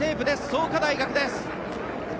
創価大学です。